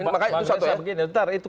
maka itu satu